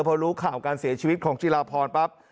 พอรู้ข่าวการเสียชีวิตของจิลาพรปั๊บ